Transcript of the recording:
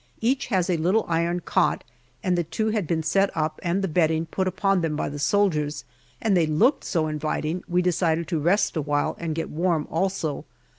Each has a little iron cot, and the two had been set up and the bedding put upon them by the soldiers, and they looked so inviting we decided to rest a while and get warm also.